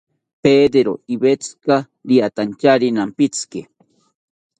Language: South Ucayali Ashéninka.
Pedero iwetzika riatantyari nampitziki